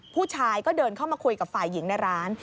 ผู้ชายก็เดินเข้ามาคุยกับฝ่ายหญิงในร้าน